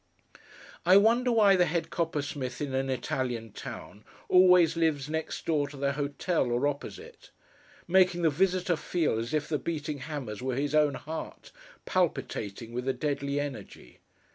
I wonder why the head coppersmith in an Italian town, always lives next door to the Hotel, or opposite: making the visitor feel as if the beating hammers were his own heart, palpitating with a deadly energy!